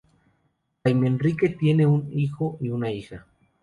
Jaime Enrique tiene un hijo y una hija.